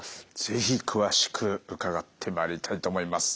是非詳しく伺ってまいりたいと思います。